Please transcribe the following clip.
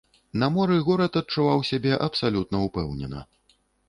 На моры горад адчуваў сябе абсалютна ўпэўнена.